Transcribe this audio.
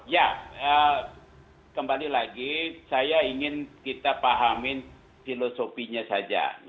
ya kembali lagi saya ingin kita pahamin filosofinya saja